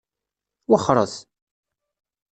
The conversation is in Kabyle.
Wexxeṛet!